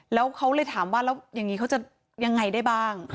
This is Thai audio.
แล้วเขาเลยถามว่าแล้วอย่างนี้เขาจะยังไงได้บ้าง